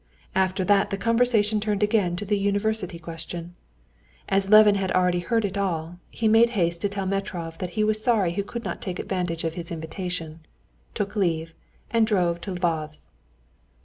After that the conversation turned again on the university question. As Levin had already heard it all, he made haste to tell Metrov that he was sorry he could not take advantage of his invitation, took leave, and drove to Lvov's.